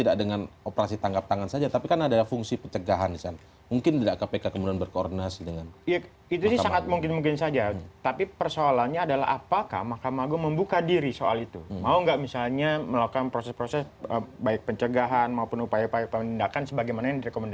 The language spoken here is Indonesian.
kita akan melanjutkan di segmen